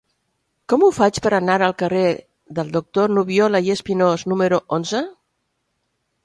Com ho faig per anar al carrer del Doctor Nubiola i Espinós número onze?